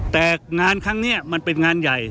แต่งานครั้งนี้มันเป็นงานใหญ่